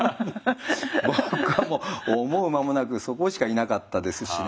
僕はもう思う間もなくそこしかいなかったですしね。